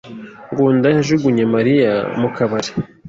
Ngunda yajugunye Mariya mu kabari.